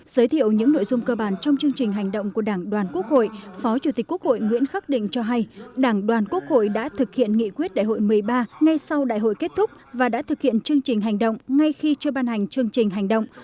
giới thiệu những nội dung cơ bản trong chương trình hành động của đảng đoàn quốc hội phó chủ tịch quốc hội nguyễn khắc định cho hay đảng đoàn quốc hội đã thực hiện nghị quyết đại hội một mươi ba ngay sau đại hội kết thúc và đã thực hiện chương trình hành động ngay khi chưa ban hành chương trình hành động